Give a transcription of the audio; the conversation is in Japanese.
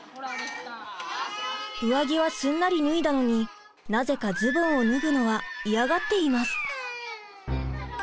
上着はすんなり脱いだのになぜかズボンを脱ぐのは嫌がっています。